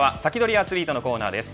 アツリートのコーナーです。